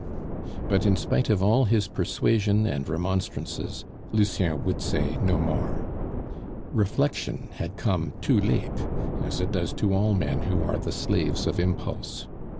But in spite of all his persuasion and remonstrances, Lucien would say no more. Reflection had come too late, as it does to all men who are the slaves of impulse.